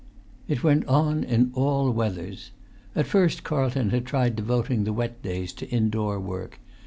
It went on in all weathers. At first Carlton had tried devoting the wet days to indoor work.